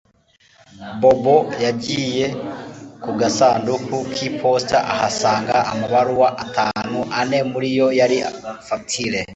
Bobo yagiye ku gasanduku kiposita ahasanga amabaruwa atanu ane muri yo yari fagitire